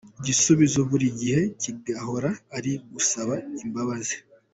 Igisubizo buri gihe kigahora ari ugusaba imbabazi.